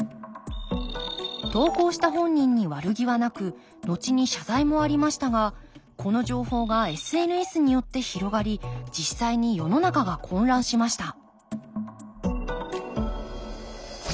投稿した本人に悪気はなくのちに謝罪もありましたがこの情報がＳＮＳによって広がり実際に世の中が混乱しました